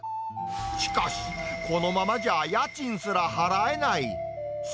しかし、このままじゃ家賃すら払えない。